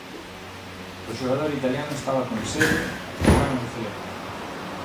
O xogador italiano estaba con sede e con ganas de celebrar.